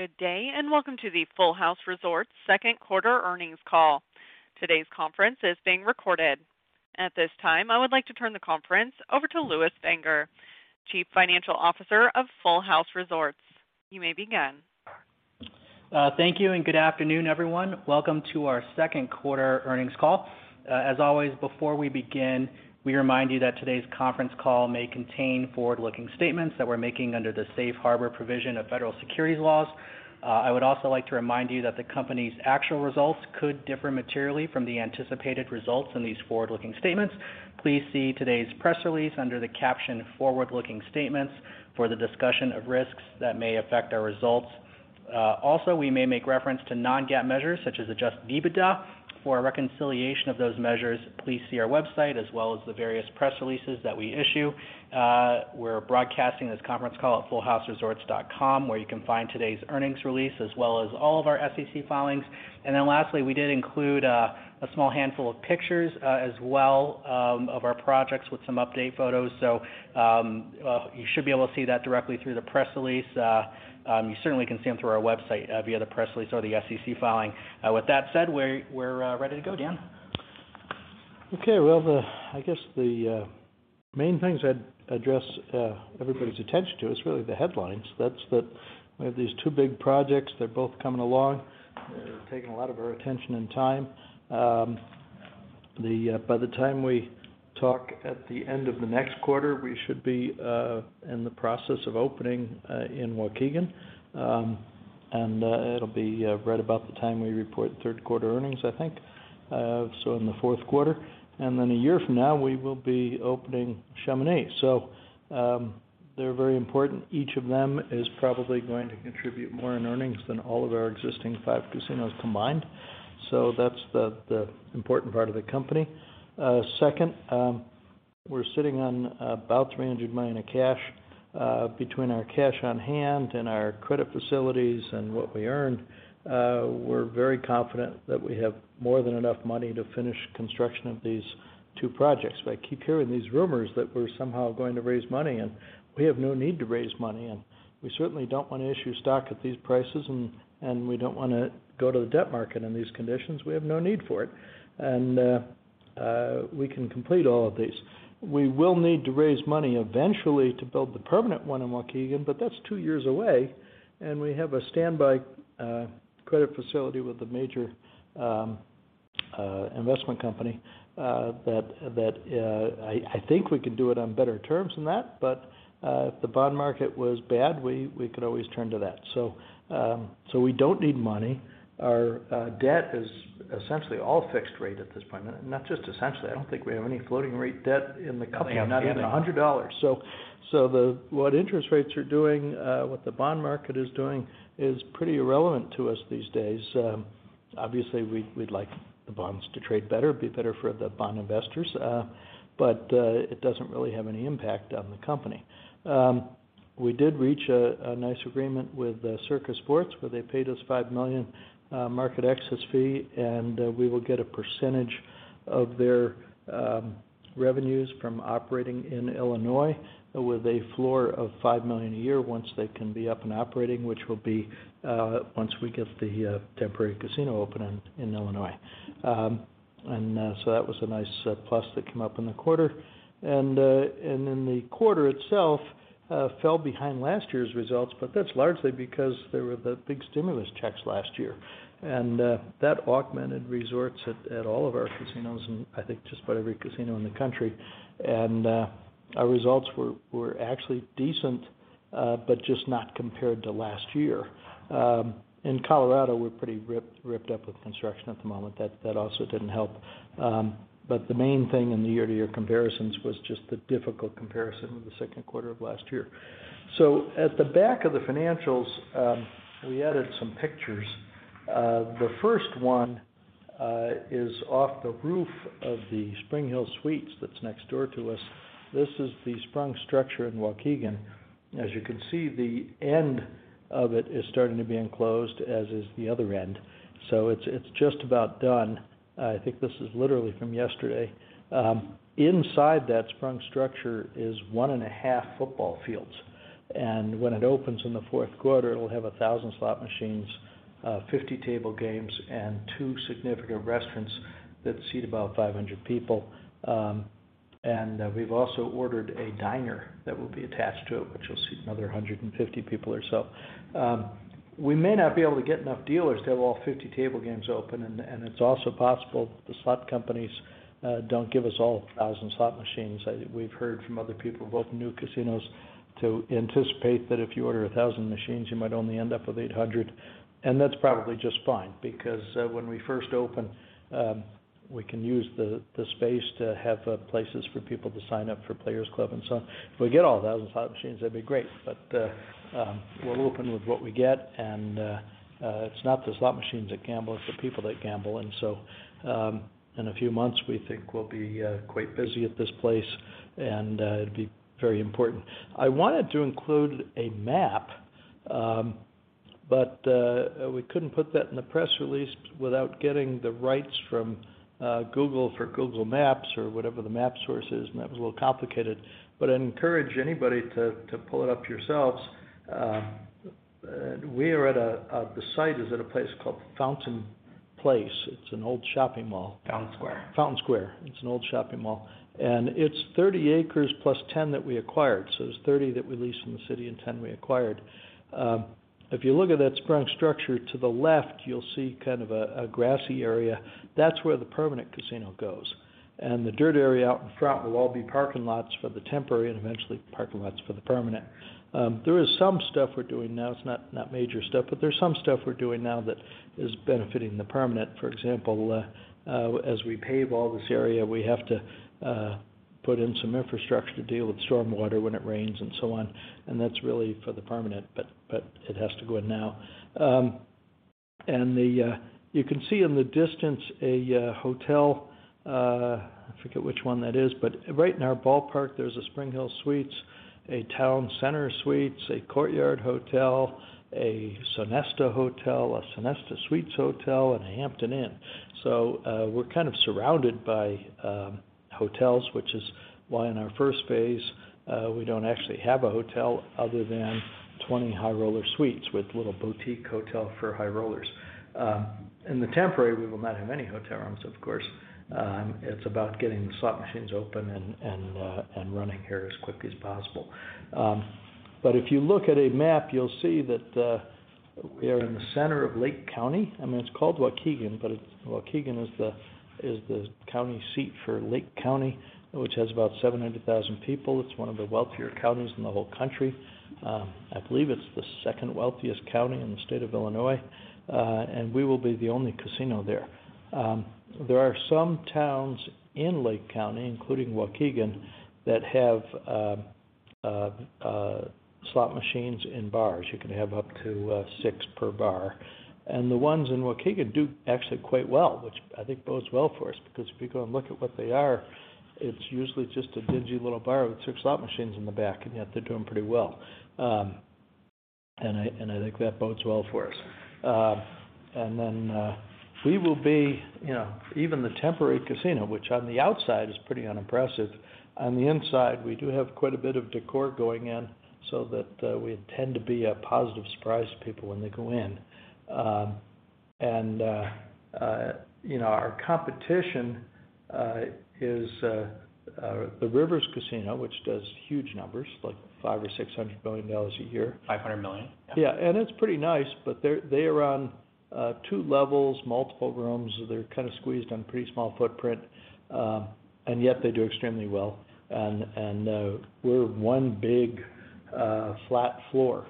Good day, and welcome to the Full House Resorts second quarter earnings call. Today's conference is being recorded. At this time, I would like to turn the conference over to Lewis Fanger, Chief Financial Officer of Full House Resorts. You may begin. Thank you, and good afternoon, everyone. Welcome to our second quarter earnings call. As always, before we begin, we remind you that today's conference call may contain forward-looking statements that we're making under the safe harbor provision of federal securities laws. I would also like to remind you that the company's actual results could differ materially from the anticipated results in these forward-looking statements. Please see today's press release under the caption Forward-Looking Statements for the discussion of risks that may affect our results. Also, we may make reference to non-GAAP measures such as adjusted EBITDA. For a reconciliation of those measures, please see our website as well as the various press releases that we issue. We're broadcasting this conference call at fullhouseresorts.com, where you can find today's earnings release as well as all of our SEC filings. Lastly, we did include a small handful of pictures as well of our projects with some update photos. You should be able to see that directly through the press release. You certainly can see them through our website via the press release or the SEC filing. With that said, we're ready to go, Dan. Okay. Well, I guess the main things I'd address everybody's attention to is really the headlines. That's that we have these two big projects. They're both coming along. They're taking a lot of our attention and time. By the time we talk at the end of the next quarter, we should be in the process of opening in Waukegan. It'll be right about the time we report third quarter earnings, I think, in the fourth quarter. A year from now, we will be opening Chamonix. They're very important. Each of them is probably going to contribute more in earnings than all of our existing five casinos combined. That's the important part of the company. Second, we're sitting on about $300 million in cash. Between our cash on hand and our credit facilities and what we earned, we're very confident that we have more than enough money to finish construction of these two projects. I keep hearing these rumors that we're somehow going to raise money, and we have no need to raise money. We certainly don't wanna issue stock at these prices, and we don't wanna go to the debt market in these conditions. We have no need for it. We can complete all of these. We will need to raise money eventually to build the permanent one in Waukegan, but that's two years away. We have a standby credit facility with a major investment company that I think we can do it on better terms than that. If the bond market was bad, we could always turn to that. We don't need money. Our debt is essentially all fixed rate at this point, not just essentially. I don't think we have any floating rate debt in the company. We have not. $100. What interest rates are doing, what the bond market is doing is pretty irrelevant to us these days. Obviously, we'd like the bonds to trade better, be better for the bond investors, but it doesn't really have any impact on the company. We did reach a nice agreement with Circa Sports, where they paid us $5 million market access fee, and we will get a percentage of their revenues from operating in Illinois with a floor of $5 million a year once they can be up and operating, which will be once we get the temporary casino open in Illinois. That was a nice plus that came up in the quarter. The quarter itself fell behind last year's results, but that's largely because there were the big stimulus checks last year. That augmented resorts at all of our casinos and I think just about every casino in the country. Our results were actually decent, but just not compared to last year. In Colorado, we're pretty ripped up with construction at the moment. That also didn't help. The main thing in the year-to-year comparisons was just the difficult comparison with the second quarter of last year. At the back of the financials, we added some pictures. The first one is off the roof of the SpringHill Suites that's next door to us. This is the Sprung structure in Waukegan. As you can see, the end of it is starting to be enclosed, as is the other end. It's just about done. I think this is literally from yesterday. Inside that Sprung structure is one and a half football fields. When it opens in the fourth quarter, it'll have 1,000 slot machines, 50 table games and two significant restaurants that seat about 500 people. We've also ordered a diner that will be attached to it, which will seat another 150 people or so. We may not be able to get enough dealers to have all 50 table games open, and it's also possible the slot companies don't give us all 1,000 slot machines. We've heard from other people, both new casinos, to anticipate that if you order 1,000 machines, you might only end up with 800. That's probably just fine because when we first open, we can use the space to have places for people to sign up for players club and so on. If we get all 1,000 slot machines, that'd be great. We're open with what we get, and it's not the slot machines that gamble, it's the people that gamble. In a few months, we think we'll be quite busy at this place, and it'd be very important. I wanted to include a map, but we couldn't put that in the press release without getting the rights from Google for Google Maps or whatever the map source is, and that was a little complicated. I'd encourage anybody to pull it up yourselves. The site is at a place called Fountain Place. It's an old shopping mall. Fountain Square. Fountain Square. It's an old shopping mall, and it's 30 acres plus 10 that we acquired. There's 30 that we leased from the city, and 10 we acquired. If you look at that Sprung structure to the left, you'll see kind of a grassy area. That's where the permanent casino goes. The dirt area out in front will all be parking lots for the temporary and eventually parking lots for the permanent. There is some stuff we're doing now. It's not major stuff, but there's some stuff we're doing now that is benefiting the permanent. For example, as we pave all this area, we have to put in some infrastructure to deal with storm water when it rains and so on, and that's really for the permanent, but it has to go in now. You can see in the distance a hotel, I forget which one that is, but right in our ballpark, there's a SpringHill Suites, a TownePlace Suites, a Courtyard Hotel, a Sonesta Hotel, a Sonesta Suites Hotel, and a Hampton Inn. We're kind of surrounded by hotels, which is why in our first phase, we don't actually have a hotel other than 20 high roller suites with little boutique hotel for high rollers. In the temporary, we will not have any hotel rooms of course. It's about getting the slot machines open and running here as quickly as possible. If you look at a map, you'll see that we are in the center of Lake County. I mean, it's called Waukegan, but it's Waukegan is the county seat for Lake County, which has about 700,000 people. It's one of the wealthier counties in the whole country. I believe it's the second wealthiest county in the state of Illinois. We will be the only casino there. There are some towns in Lake County, including Waukegan, that have slot machines in bars. You can have up to six per bar. The ones in Waukegan do actually quite well, which I think bodes well for us because if you go and look at what they are, it's usually just a dingy little bar with two slot machines in the back, and yet they're doing pretty well. I think that bodes well for us. We will be, you know, even the temporary casino, which on the outside is pretty unimpressive, on the inside, we do have quite a bit of decor going in so that we tend to be a positive surprise to people when they go in. You know, our competition is the Rivers Casino, which does huge numbers, like $500 million-$600 million a year. $500 million? Yeah. It's pretty nice, but they are on two levels, multiple rooms. They're kind of squeezed on a pretty small footprint, and yet they do extremely well. We're one big flat floor,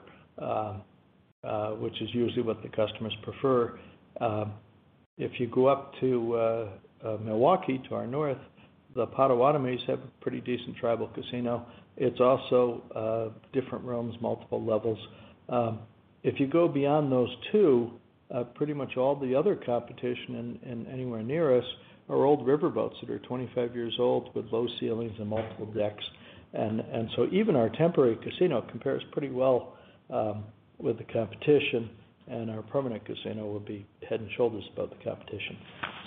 which is usually what the customers prefer. If you go up to Milwaukee to our north, the Potawatomi have a pretty decent tribal casino. It's also different rooms, multiple levels. If you go beyond those two, pretty much all the other competition anywhere near us are old riverboats that are 25 years old with low ceilings and multiple decks. Even our temporary casino compares pretty well with the competition, and our permanent casino will be head and shoulders above the competition.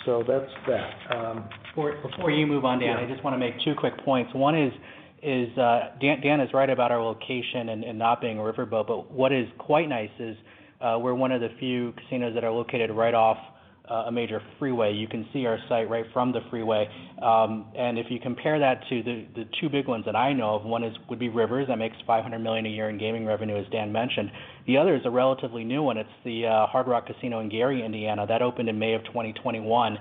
That's that. Before you move on, Dan. Yeah. I just wanna make two quick points. One is Dan is right about our location and not being a riverboat, but what is quite nice is we're one of the few casinos that are located right off a major freeway. You can see our site right from the freeway. If you compare that to the two big ones that I know of, one would be Rivers Casino Des Plaines that makes $500 million a year in gaming revenue, as Dan mentioned. The other is a relatively new one. It's the Hard Rock Casino Northern Indiana in Gary, Indiana. That opened in May 2021.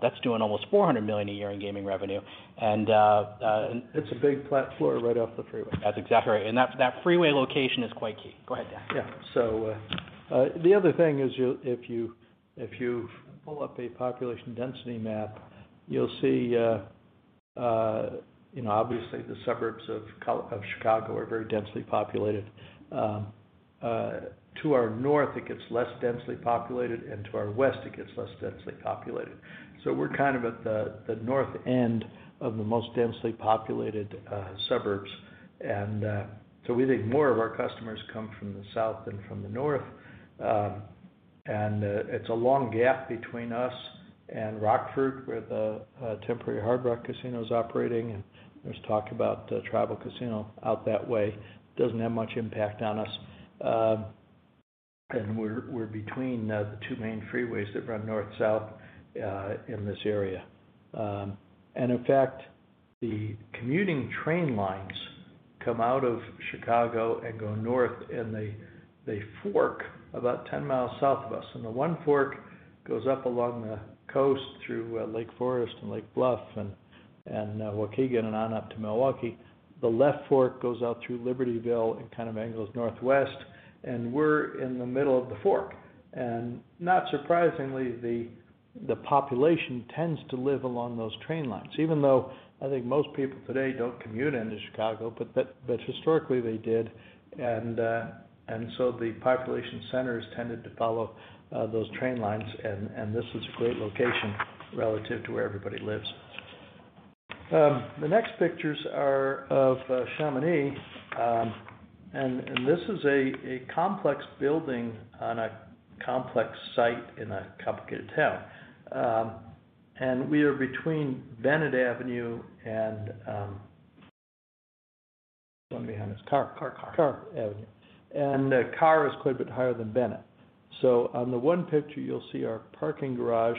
That's doing almost $400 million a year in gaming revenue. It's a big flat floor right off the freeway. That's exactly right. That freeway location is quite key. Go ahead, Dan. Yeah. The other thing is, if you pull up a population density map, you'll see, you know, obviously the suburbs of Chicago are very densely populated. To our north, it gets less densely populated, and to our west, it gets less densely populated. We're kind of at the north end of the most densely populated suburbs. We think more of our customers come from the south than from the north. It's a long gap between us and Rockford, where the temporary Hard Rock Casino is operating, and there's talk about the tribal casino out that way. Doesn't have much impact on us. We're between the two main freeways that run north-south in this area. In fact, the commuting train lines come out of Chicago and go north, and they fork about 10 miles south of us. The one fork goes up along the coast through Lake Forest and Lake Bluff and Waukegan and on up to Milwaukee. The left fork goes out through Libertyville and kind of angles northwest, and we're in the middle of the fork. Not surprisingly, the population tends to live along those train lines, even though I think most people today don't commute into Chicago, but historically they did. The population centers tended to follow those train lines, and this is a great location relative to where everybody lives. The next pictures are of Chamonix. This is a complex building on a complex site in a complicated town. We are between Bennett Avenue and one behind us, Carr. Carr. Carr Avenue. Carr is quite a bit higher than Bennett. On the one picture, you'll see our parking garage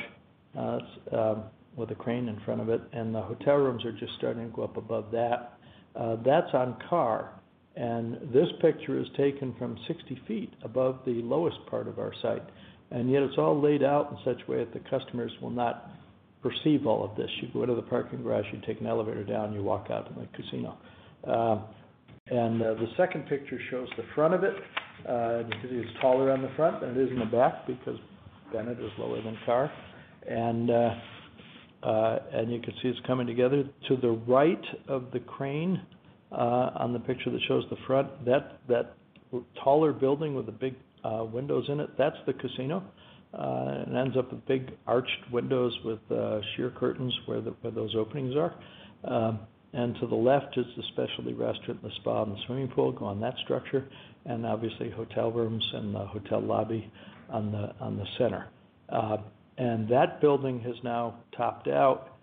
with a crane in front of it, and the hotel rooms are just starting to go up above that. That's on Carr. This picture is taken from 60 ft above the lowest part of our site. Yet it's all laid out in such a way that the customers will not perceive all of this. You go into the parking garage, you take an elevator down, you walk out in the casino. The second picture shows the front of it because it's taller on the front than it is in the back because Bennett is lower than Carr. You can see it's coming together. To the right of the crane, on the picture that shows the front, that taller building with the big windows in it, that's the casino. It ends up with big arched windows with sheer curtains where those openings are. To the left is the specialty restaurant, the spa, and the swimming pool go on that structure, and obviously, hotel rooms and the hotel lobby on the center. That building has now topped out.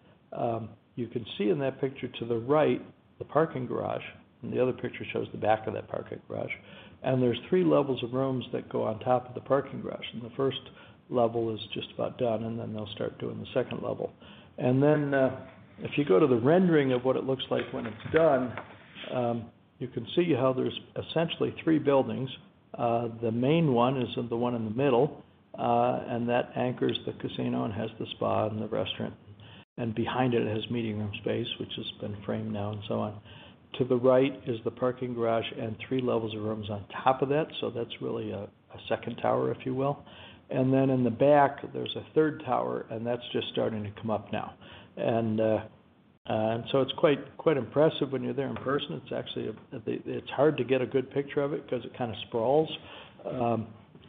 You can see in that picture to the right, the parking garage, and the other picture shows the back of that parking garage. There's three levels of rooms that go on top of the parking garage, and the first level is just about done, and then they'll start doing the second level. If you go to the rendering of what it looks like when it's done, you can see how there's essentially three buildings. The main one is the one in the middle, and that anchors the casino and has the spa and the restaurant. Behind it has meeting room space, which has been framed now and so on. To the right is the parking garage and three levels of rooms on top of that, so that's really a second tower, if you will. In the back, there's a third tower, and that's just starting to come up now. It's quite impressive when you're there in person. It's actually hard to get a good picture of it 'cause it kind of sprawls.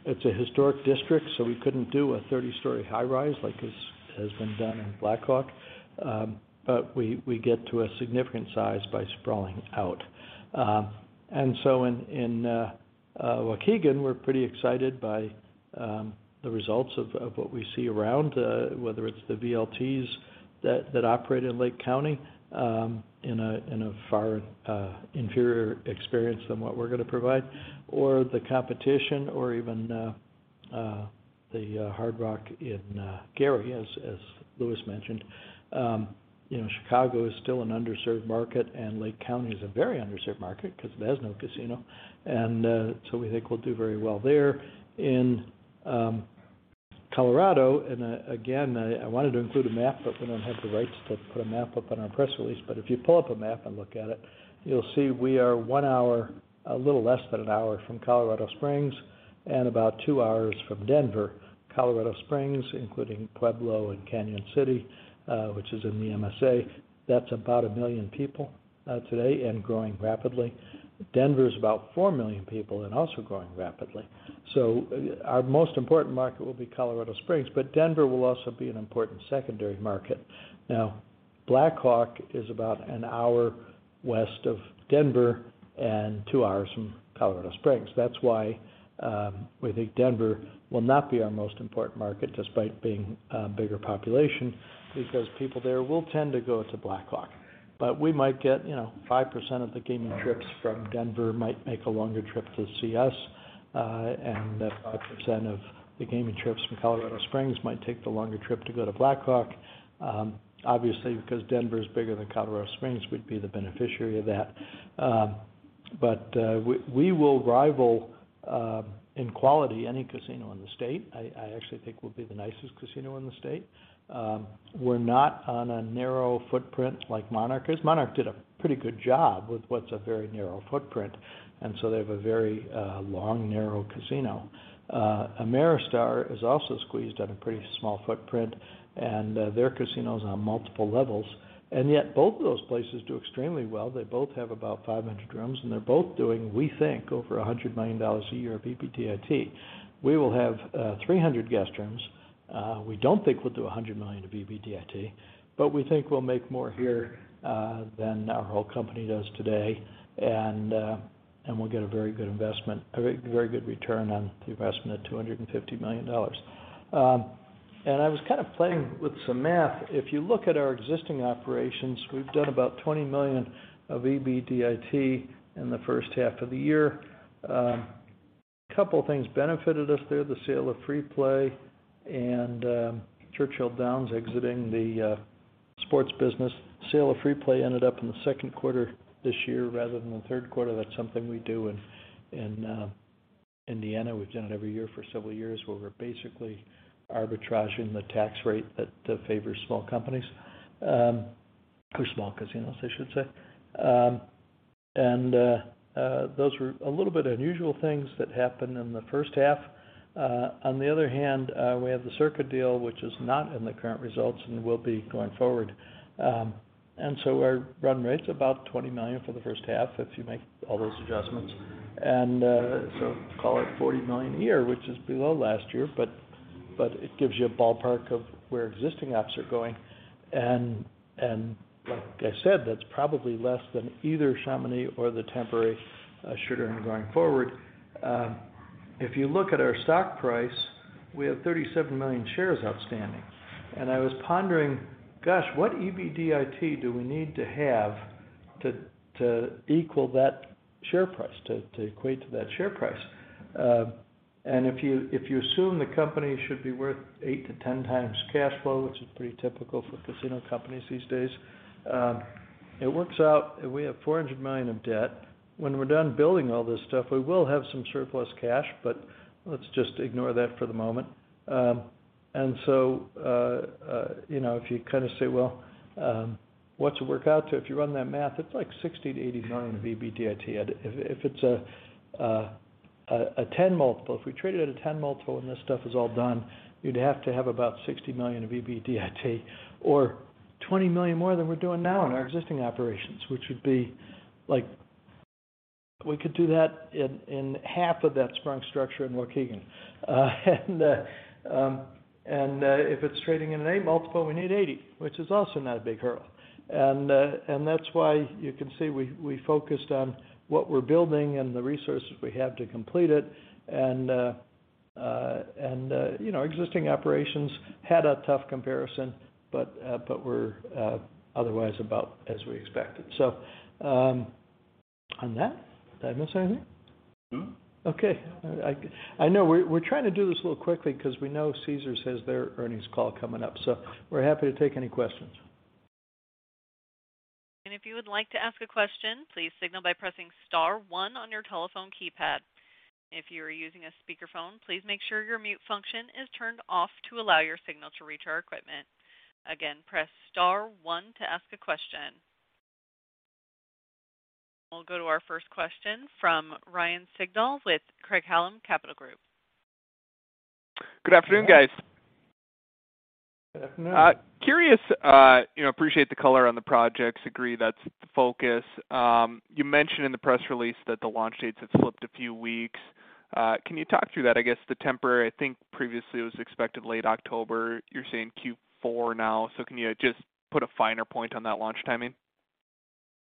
It's a historic district, so we couldn't do a 30-story high-rise like has been done in Black Hawk. We get to a significant size by sprawling out. In Waukegan, we're pretty excited by the results of what we see around, whether it's the VLTs that operate in Lake County in a far inferior experience than what we're gonna provide, or the competition or even the Hard Rock in Gary, as Lewis mentioned. You know, Chicago is still an underserved market, and Lake County is a very underserved market 'cause it has no casino. We think we'll do very well there. In Colorado, and again, I wanted to include a map, but we don't have the rights to put a map up on our press release. If you pull up a map and look at it, you'll see we are one hour, a little less than an hour from Colorado Springs and about two hours from Denver. Colorado Springs, including Pueblo and Cañon City, which is in the MSA, that's about 1 million people today and growing rapidly. Denver is about 4 million people and also growing rapidly. Our most important market will be Colorado Springs, but Denver will also be an important secondary market. Now, Black Hawk is about an hour west of Denver and two hours from Colorado Springs. That's why we think Denver will not be our most important market despite being a bigger population, because people there will tend to go to Black Hawk. We might get, you know, 5% of the gaming trips from Denver might make a longer trip to see us, and 5% of the gaming trips from Colorado Springs might take the longer trip to go to Black Hawk. Obviously, because Denver is bigger than Colorado Springs, we'd be the beneficiary of that. We will rival in quality any casino in the state. I actually think we'll be the nicest casino in the state. We're not on a narrow footprint like Monarch is. Monarch did a pretty good job with what's a very long, narrow casino. Ameristar is also squeezed on a pretty small footprint, and their casino's on multiple levels. Yet both of those places do extremely well. They both have about 500 rooms, and they're both doing, we think, over $100 million a year of EBITDA. We will have 300 guest rooms. We don't think we'll do $100 million of EBITDA, but we think we'll make more here than our whole company does today. We'll get a very good investment, a very, very good return on the investment at $250 million. I was kind of playing with some math. If you look at our existing operations, we've done about $20 million of EBITDA in the first half of the year. A couple things benefited us there, the sale of FreePlay and Churchill Downs exiting the sports business. Sale of FreePlay ended up in the second quarter this year rather than the third quarter. That's something we do in Indiana. We've done it every year for several years, where we're basically arbitraging the tax rate that favors small companies or small casinos, I should say. Those were a little bit unusual things that happened in the first half. On the other hand, we have the Circa deal, which is not in the current results and will be going forward. Our run rate's about $20 million for the first half if you make all those adjustments. Call it $40 million a year, which is below last year, but it gives you a ballpark of where existing ops are going. Like I said, that's probably less than either Chamonix or the temporary American Place going forward. If you look at our stock price, we have 37 million shares outstanding. I was pondering, gosh, what EBITDA do we need to have to equal that share price, to equate to that share price? If you assume the company should be worth eight to 10x cash flow, which is pretty typical for casino companies these days, it works out. We have $400 million of debt. When we're done building all this stuff, we will have some surplus cash, but let's just ignore that for the moment. You know, if you kind of say, well, what's it work out to? If you run that math, it's like $60 million-$80 million of EBITDA. If it's a 10x multiple, if we trade it at a 10x multiple, and this stuff is all done, you'd have to have about $60 million of EBITDA or $20 million more than we're doing now in our existing operations, which would be like we could do that in half of that Sprung structure in Waukegan. If it's trading at an 8x multiple, we need $80 million, which is also not a big hurdle. That's why you can see we focused on what we're building and the resources we have to complete it. You know, existing operations had a tough comparison, but we're otherwise about as we expected. On that, did I miss anything? No. Okay. I know we're trying to do this a little quickly 'cause we know Caesars has their earnings call coming up, so we're happy to take any questions. If you would like to ask a question, please signal by pressing star one on your telephone keypad. If you're using a speakerphone, please make sure your mute function is turned off to allow your signal to reach our equipment. Again, press star one to ask a question. We'll go to our first question from Ryan Sigdahl with Craig-Hallum Capital Group. Good afternoon, guys. Good afternoon. I'm curious. I appreciate the color on the projects. I agree that's the focus. You mentioned in the press release that the launch dates had slipped a few weeks. Can you talk through that? I guess the temporary. I think previously it was expected late October. You're saying Q4 now. Can you just put a finer point on that launch timing?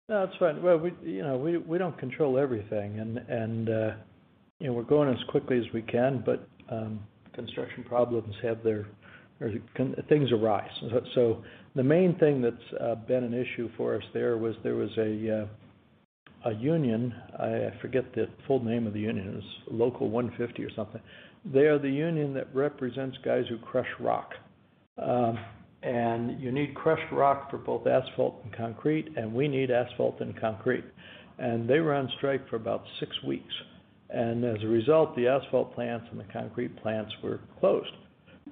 No, that's fine. Well, you know, we don't control everything and you know, we're going as quickly as we can, but construction problems, things arise. The main thing that's been an issue for us there was a union. I forget the full name of the union. It was Local 150 or something. They are the union that represents guys who crush rock. You need crushed rock for both asphalt and concrete, and we need asphalt and concrete. They were on strike for about six weeks. As a result, the asphalt plants and the concrete plants were closed.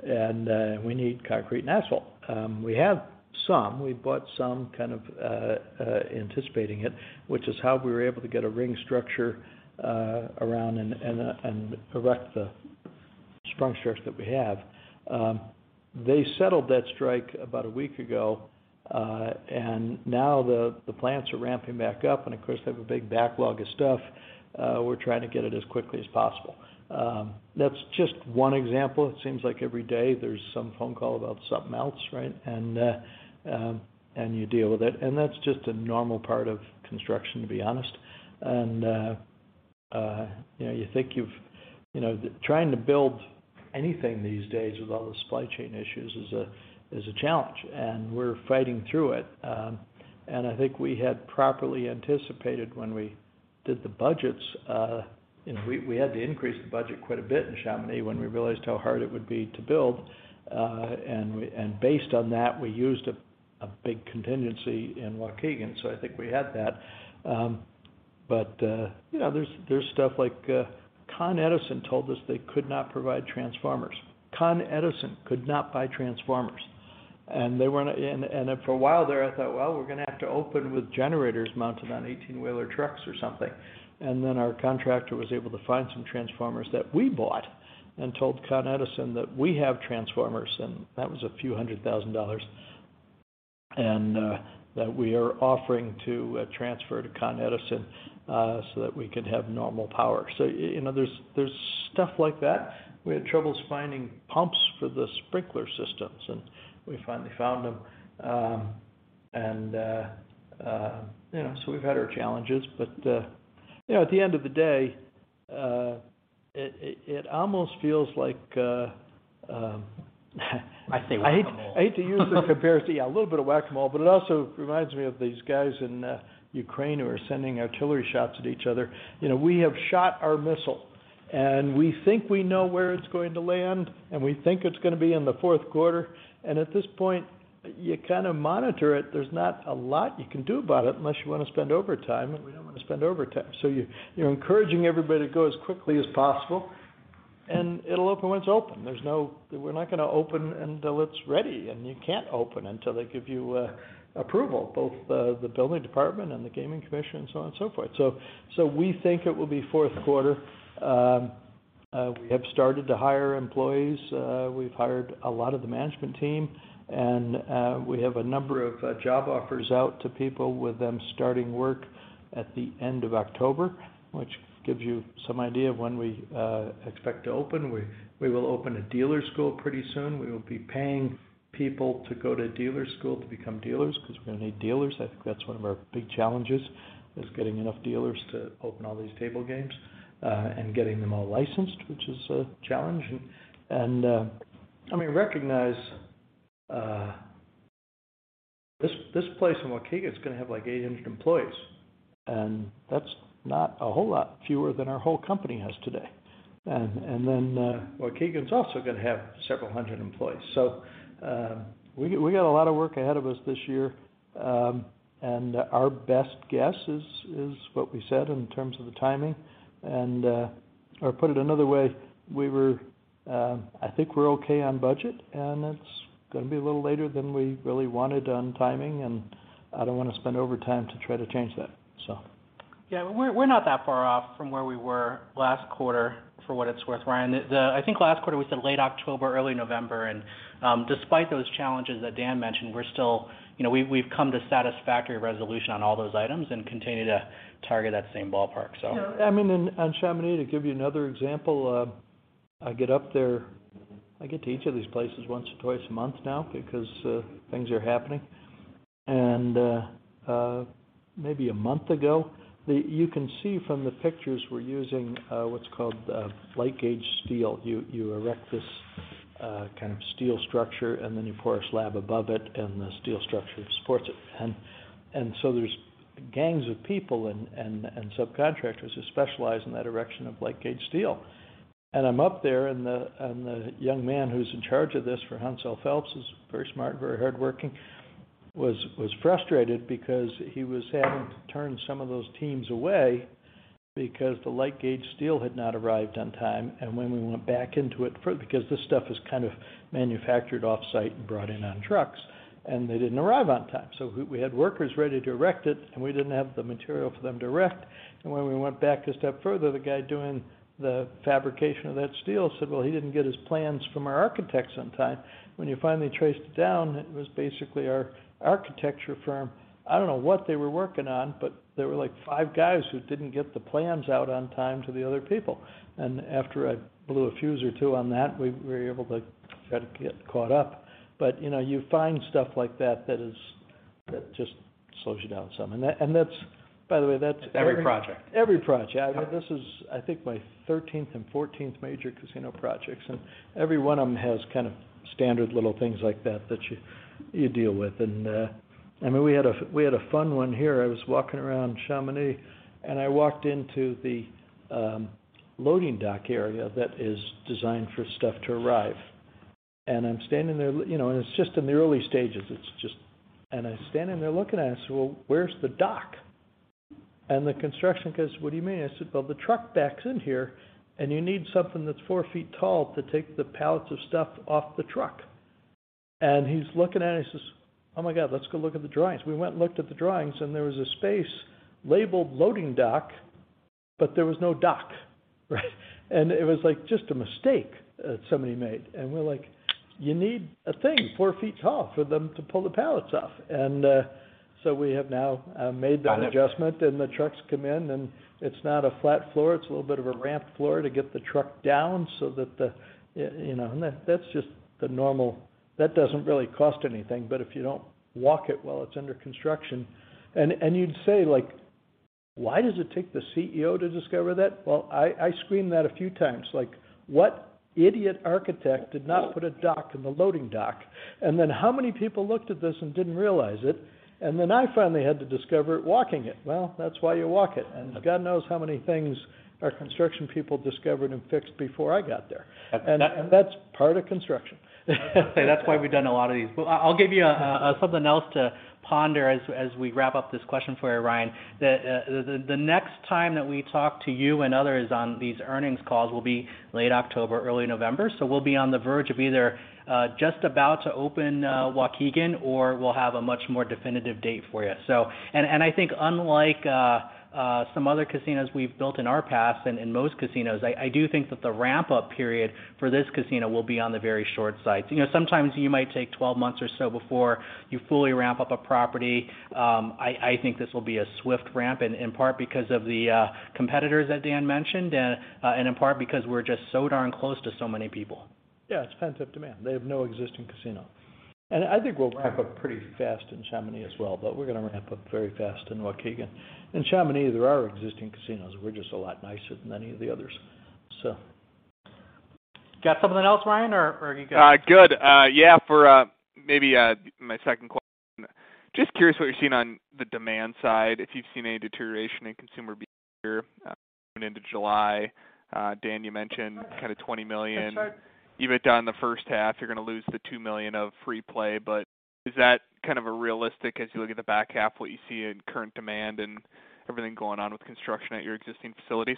We need concrete and asphalt. We have some. We bought some kind of anticipating it, which is how we were able to get a ring structure around and erect the Sprung structure that we have. They settled that strike about a week ago, and now the plants are ramping back up, and of course, they have a big backlog of stuff. We're trying to get it as quickly as possible. That's just one example. It seems like every day there's some phone call about something else, right? You deal with it. That's just a normal part of construction, to be honest. You know, trying to build anything these days with all the supply chain issues is a challenge, and we're fighting through it. I think we had properly anticipated when we did the budgets, you know, we had to increase the budget quite a bit in Chamonix when we realized how hard it would be to build. Based on that, we used a big contingency in Waukegan, so I think we had that. You know, there's stuff like, ComEd told us they could not provide transformers. ComEd could not buy transformers. For a while there I thought, well, we're going to have to open with generators mounted on 18-wheeler trucks or something. Our contractor was able to find some transformers that we bought and told ComEd that we have transformers, and that was a few $100 thousand, that we are offering to transfer to ComEd, so that we could have normal power. You know, there's stuff like that. We had troubles finding pumps for the sprinkler systems, and we finally found them. You know, we've had our challenges. You know, at the end of the day, it almost feels like. I see whack-a-mole. I hate to use the comparison. Yeah, a little bit of whack-a-mole, but it also reminds me of these guys in Ukraine who are sending artillery shots at each other. You know, we have shot our missile, and we think we know where it's going to land, and we think it's going to be in the fourth quarter. At this point, you kind of monitor it. There's not a lot you can do about it unless you want to spend overtime, and we don't want to spend overtime. You're encouraging everybody to go as quickly as possible, and it'll open when it's open. There's no, we're not gonna open until it's ready, and you can't open until they give you approval, both the building department and the gaming commission and so on and so forth. We think it will be fourth quarter. We have started to hire employees. We've hired a lot of the management team, and we have a number of job offers out to people with them starting work at the end of October, which gives you some idea of when we expect to open. We will open a dealer school pretty soon. We will be paying people to go to dealer school to become dealers because we're going to need dealers. I think that's one of our big challenges is getting enough dealers to open all these table games, and getting them all licensed, which is a challenge. I recognize, this place in Waukegan is going to have like 800 employees. That's not a whole lot fewer than our whole company has today. Then, Waukegan is also gonna have several hundred employees. We got a lot of work ahead of us this year. Our best guess is what we said in terms of the timing and put it another way, I think we're okay on budget, and it's gonna be a little later than we really wanted on timing, and I don't want to spend overtime to try to change that. Yeah. We're not that far off from where we were last quarter for what it's worth, Ryan. I think last quarter we said late October, early November, and despite those challenges that Dan mentioned, we're still, you know, we've come to satisfactory resolution on all those items and continue to target that same ballpark, so. Yeah. I mean, on Chamonix, to give you another example, I get up there, I get to each of these places once or twice a month now because things are happening. Maybe a month ago, you can see from the pictures we're using, what's called light gauge steel. You erect this kind of steel structure, and then you pour a slab above it, and the steel structure supports it. There's gangs of people and subcontractors who specialize in that erection of light gauge steel. I'm up there, and the young man who's in charge of this for Hensel Phelps is very smart, very hardworking. Was frustrated because he was having to turn some of those teams away because the light gauge steel had not arrived on time. When we went back into it because this stuff is kind of manufactured off-site and brought in on trucks, and they didn't arrive on time. We had workers ready to erect it, and we didn't have the material for them to erect. When we went back a step further, the guy doing the fabrication of that steel said, well, he didn't get his plans from our architects on time. When you finally traced it down, it was basically our architecture firm. I don't know what they were working on, but there were, like, five guys who didn't get the plans out on time to the other people. After I blew a fuse or two on that, we were able to try to get caught up. You know, you find stuff like that that just slows you down some. That's, by the way, that's every. Every project. Every project. I mean, this is, I think, my 13th and 14th major casino projects, and every one of them has kind of standard little things like that that you deal with. I mean, we had a fun one here. I was walking around Chamonix, and I walked into the loading dock area that is designed for stuff to arrive. I'm standing there, you know, and it's just in the early stages. It's just. I stand in there looking at it. I said, "Well, where's the dock?" The construction guy says, "What do you mean?" I said, "Well, the truck backs in here, and you need something that's four feet tall to take the pallets of stuff off the truck." He's looking at it. He says, "Oh my god, let's go look at the drawings." We went and looked at the drawings, and there was a space labeled loading dock, but there was no dock, right? It was like, just a mistake that somebody made. We're like, "You need a thing 4 ft tall for them to pull the pallets off." We have now made that adjustment. Got it. The trucks come in, and it's not a flat floor. It's a little bit of a ramp floor to get the truck down so that the, you know. And that's just the normal. That doesn't really cost anything. But if you don't walk it while it's under construction. And you'd say, like, "Why does it take the CEO to discover that?" Well, I screamed that a few times. Like, what idiot architect did not put a dock in the loading dock? And then how many people looked at this and didn't realize it? And then I finally had to discover it walking it. Well, that's why you walk it. Okay. God knows how many things our construction people discovered and fixed before I got there. Okay. That's part of construction. That's why we've done a lot of these. I'll give you something else to ponder as we wrap up this question for you, Ryan. The next time that we talk to you and others on these earnings calls will be late October, early November. We'll be on the verge of either just about to open Waukegan, or we'll have a much more definitive date for you. I think unlike some other casinos we've built in our past and in most casinos, I do think that the ramp-up period for this casino will be on the very short side. You know, sometimes you might take 12 months or so before you fully ramp up a property. I think this will be a swift ramp, and in part because of the competitors that Dan mentioned, and in part because we're just so darn close to so many people. Yeah. It's pent-up demand. They have no existing casino. I think we'll ramp up pretty fast in Chamonix as well, but we're gonna ramp up very fast in Waukegan. In Chamonix, there are existing casinos. We're just a lot nicer than any of the others. Got something else, Ryan, or are you good? Good. Yeah, maybe my second question. Just curious what you're seeing on the demand side, if you've seen any deterioration in consumer behavior, going into July. Dan, you mentioned kind of $20 million EBITDA in the first half. You're gonna lose the $2 million of FreePlay, but is that kind of a realistic as you look at the back half, what you see in current demand and everything going on with construction at your existing facilities?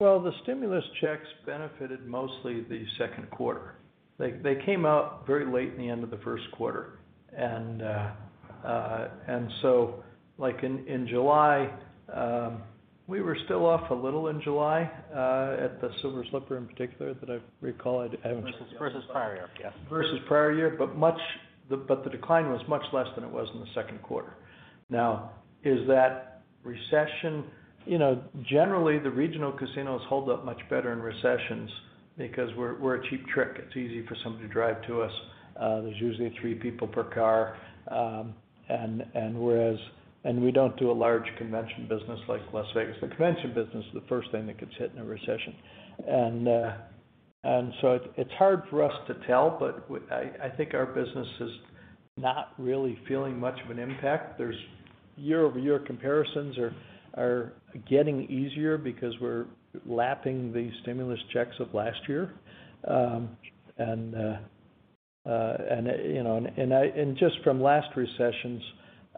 Well, the stimulus checks benefited mostly the second quarter. They came out very late in the end of the first quarter. Like in July, we were still off a little in July at the Silver Slipper in particular that I recall. I haven't Versus prior year. Yes. Versus prior year, the decline was much less than it was in the second quarter. Now, is that recession? You know, generally, the regional casinos hold up much better in recessions because we're a cheap trip. It's easy for someone to drive to us. There's usually three people per car. We don't do a large convention business like Las Vegas. The convention business is the first thing that gets hit in a recession. It's hard for us to tell, but I think our business is not really feeling much of an impact. The year-over-year comparisons are getting easier because we're lapping the stimulus checks of last year. You know, just from last recessions,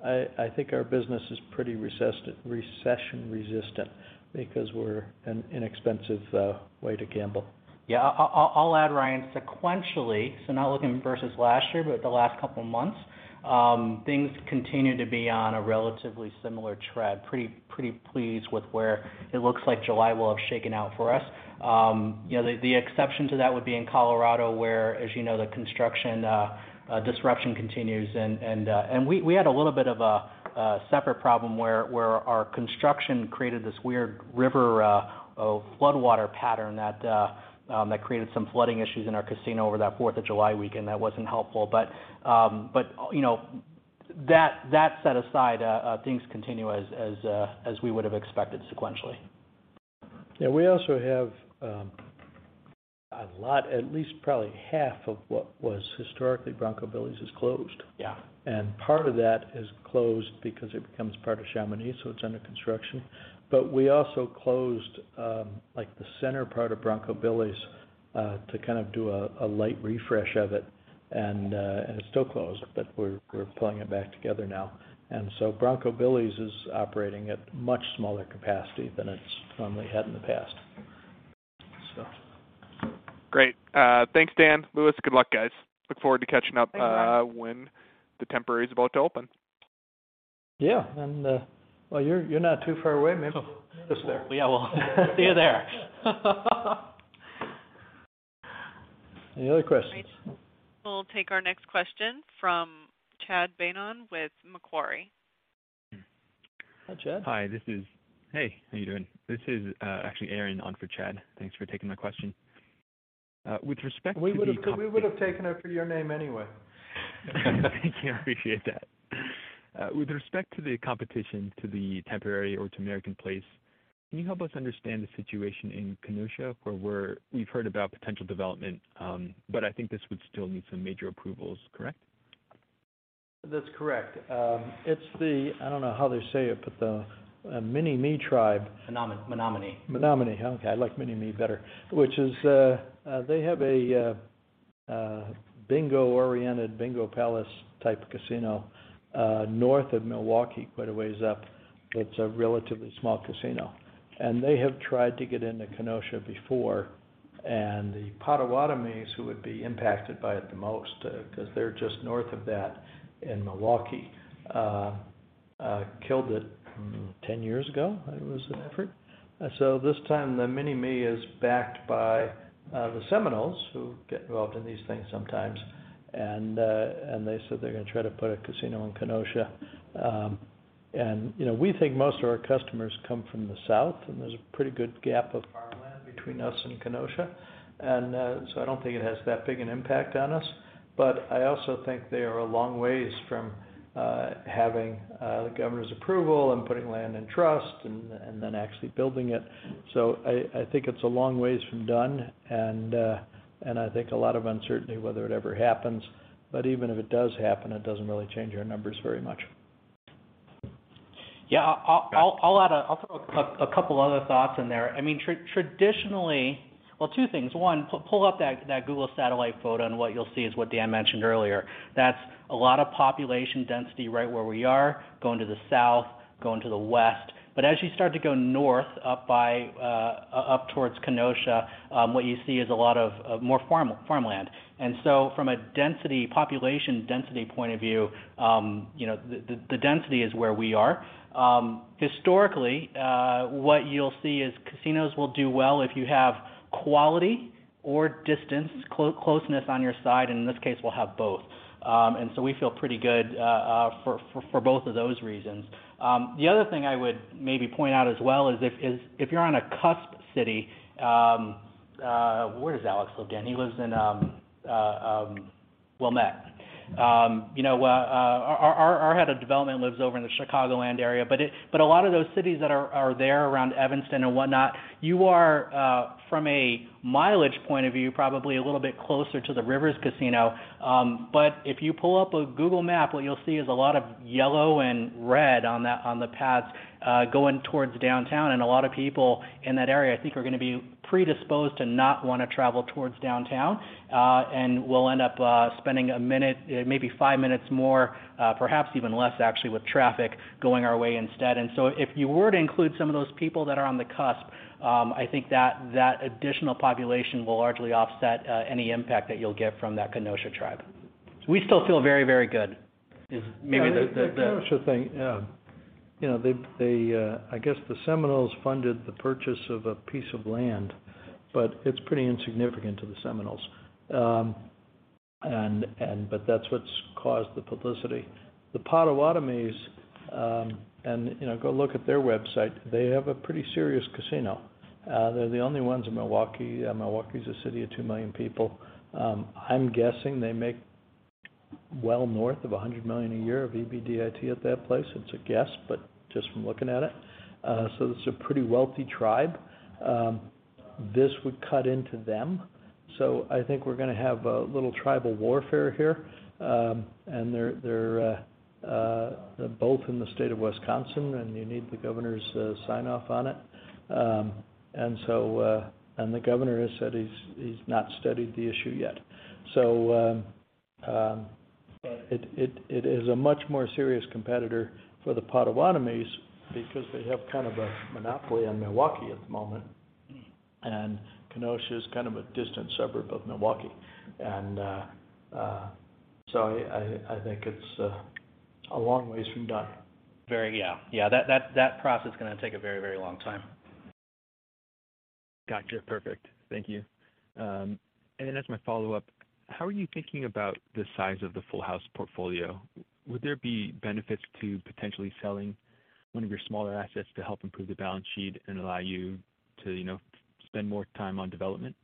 I think our business is pretty recession-resistant because we're an inexpensive way to gamble. Yeah. I'll add Ryan sequentially. Not looking versus last year, but the last couple months, things continue to be on a relatively similar trend. Pretty pleased with where it looks like July will have shaken out for us. You know, the exception to that would be in Colorado, where as you know, the construction disruption continues. We had a little bit of a separate problem where our construction created this weird river floodwater pattern that created some flooding issues in our casino over that July 4th weekend. That wasn't helpful. You know, that set aside, things continue as we would have expected sequentially. Yeah. We also have a lot, at least probably half of what was historically Bronco Billy's is closed. Yeah. Part of that is closed because it becomes part of Chamonix, so it's under construction. We also closed, like, the center part of Bronco Billy's to kind of do a light refresh of it. It's still closed, but we're pulling it back together now. Bronco Billy's is operating at much smaller capacity than it's normally had in the past, so. Great. Thanks Dan, Lewis. Good luck, guys. Look forward to catching up. Thanks, Ryan. When the temporary is about to open. Yeah. Well, you're not too far away. Maybe we'll miss there. Yeah, well, see you there. Any other questions? We'll take our next question from Chad Beynon with Macquarie. Hi, Chad. Hey, how you doing? This is actually Aaron on for Chad. Thanks for taking my question. With respect to the We would've taken it for your name anyway. Thank you. I appreciate that. With respect to the competition to the temporary or to American Place, can you help us understand the situation in Kenosha, where we've heard about potential development, but I think this would still need some major approvals, correct? That's correct. I don't know how they say it, but the Menominee Tribe. Menominee. Menominee. Okay. I like Menominee better. Which is, they have a bingo-oriented bingo palace type casino north of Milwaukee, quite a ways up. It's a relatively small casino. They have tried to get into Kenosha before. The Potawatomi, who would be impacted by it the most, 'cause they're just north of that in Milwaukee, killed it 10 years ago. I think it was an effort. This time, the Menominee is backed by the Seminole, who get involved in these things sometimes. They said they're gonna try to put a casino in Kenosha. You know, we think most of our customers come from the South, and there's a pretty good gap of farmland between us and Kenosha. I don't think it has that big an impact on us. I also think they are a long ways from having the governor's approval and putting land in trust and then actually building it. I think it's a long ways from done, and I think a lot of uncertainty whether it ever happens. Even if it does happen, it doesn't really change our numbers very much. Yeah. I'll throw a couple other thoughts in there. I mean, traditionally. Well, two things. One, pull up that Google satellite photo, and what you'll see is what Dan mentioned earlier. That's a lot of population density right where we are, going to the south, going to the west. As you start to go north up by up towards Kenosha, what you see is a lot of more farmland. From a density, population density point of view, you know, the density is where we are. Historically, what you'll see is casinos will do well if you have quality or distance, closeness on your side. In this case, we'll have both. We feel pretty good for both of those reasons. The other thing I would maybe point out as well is if you're on a cusp city. Where does Alex live again? He lives in Wilmette. You know, our head of development lives over in the Chicagoland area. But a lot of those cities that are there around Evanston and whatnot, you are from a mileage point of view, probably a little bit closer to the Rivers Casino. But if you pull up a Google Map, what you'll see is a lot of yellow and red on the paths going towards downtown. A lot of people in that area, I think, are gonna be predisposed to not wanna travel towards downtown, and will end up spending a minute, maybe five minutes more, perhaps even less, actually, with traffic going our way instead. If you were to include some of those people that are on the cusp, I think that additional population will largely offset any impact that you'll get from that Kenosha tribe. We still feel very, very good. Yeah, the Kenosha thing, you know, they, I guess the Seminoles funded the purchase of a piece of land, but it's pretty insignificant to the Seminoles. That's what's caused the publicity. The Potawatomi, you know, go look at their website. They have a pretty serious casino. They're the only ones in Milwaukee. Milwaukee is a city of 2 million people. I'm guessing they make well north of $100 million a year of EBITDA at that place. It's a guess, but just from looking at it. It's a pretty wealthy tribe. This would cut into them. I think we're gonna have a little tribal warfare here. They're both in the state of Wisconsin, and you need the governor's sign-off on it. The governor has said he's not studied the issue yet. It is a much more serious competitor for the Potawatomi because they have kind of a monopoly on Milwaukee at the moment, and Kenosha is kind of a distant suburb of Milwaukee. I think it's a long way from done. Yeah, that process is gonna take a very, very long time. Gotcha. Perfect. Thank you. As my follow-up, how are you thinking about the size of the Full House portfolio? Would there be benefits to potentially selling one of your smaller assets to help improve the balance sheet and allow you to, you know, spend more time on development?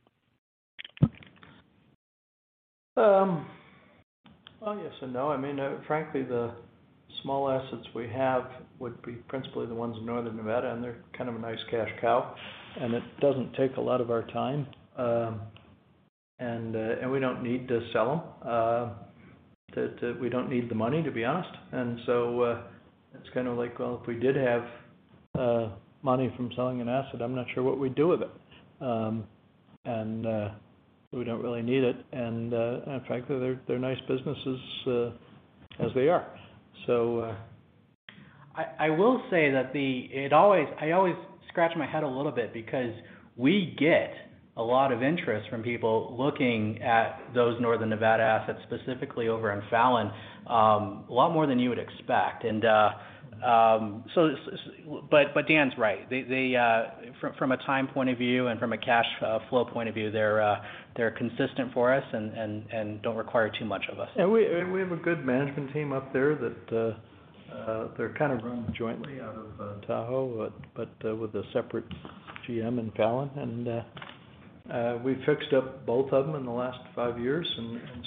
Oh, yes and no. I mean, frankly, the small assets we have would be principally the ones in northern Nevada, and they're kind of a nice cash cow, and it doesn't take a lot of our time, and we don't need to sell them. We don't need the money, to be honest. It's kinda like, well, if we did have money from selling an asset, I'm not sure what we'd do with it. We don't really need it. Frankly, they're nice businesses as they are. So I will say that I always scratch my head a little bit because we get a lot of interest from people looking at those northern Nevada assets, specifically over in Fallon, a lot more than you would expect. But Dan's right. They from a time point of view and from a cash flow point of view, they're consistent for us and don't require too much of us. We have a good management team up there that they're kind of run jointly out of Tahoe, but with a separate GM in Fallon. We fixed up both of them in the last five years,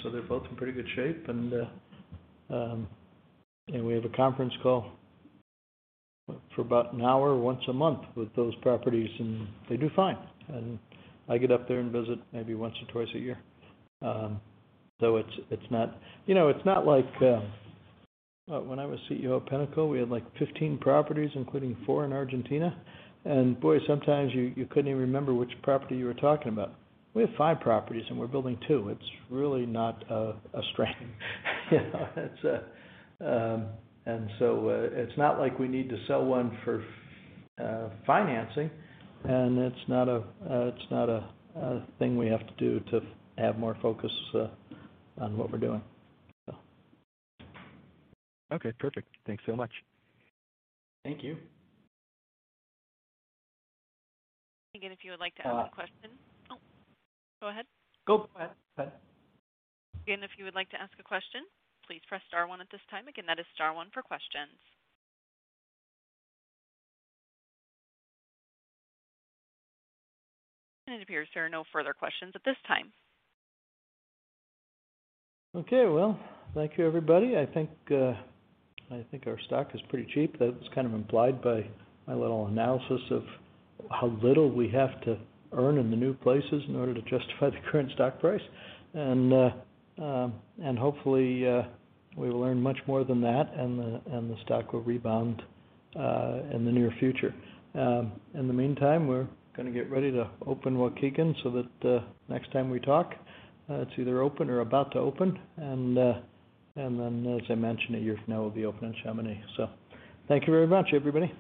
so they're both in pretty good shape. We have a conference call for about an hour once a month with those properties, and they do fine. I get up there and visit maybe once or twice a year. It's not, you know, it's not like when I was CEO of Pinnacle, we had, like, 15 properties, including four in Argentina. Boy, sometimes you couldn't even remember which property you were talking about. We have five properties, and we're building two. It's really not a strain. You know, it's.It's not like we need to sell one for financing, and it's not a thing we have to do to have more focus on what we're doing. Okay, perfect. Thanks so much. Thank you. Again, if you would like to ask a question. Oh, go ahead. Go ahead. Again, if you would like to ask a question, please press star one at this time. Again, that is star one for questions. It appears there are no further questions at this time. Okay. Well, thank you, everybody. I think our stock is pretty cheap. That's kind of implied by my little analysis of how little we have to earn in the new places in order to justify the current stock price. Hopefully we will earn much more than that, and the stock will rebound in the near future. In the meantime, we're gonna get ready to open Waukegan so that next time we talk, it's either open or about to open. As I mentioned, a year from now, we'll be opening Chamonix. Thank you very much, everybody.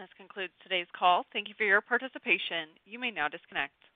This concludes today's call. Thank you for your participation. You may now disconnect.